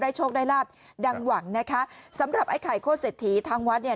โชคได้ลาบดังหวังนะคะสำหรับไอ้ไข่โคตรเศรษฐีทางวัดเนี่ย